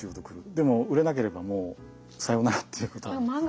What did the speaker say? でも売れなければもうさようならっていうことに。